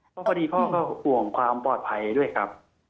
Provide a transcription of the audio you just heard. เพราะพอดีพ่อก็ห่วงความปลอดภัยด้วยครับ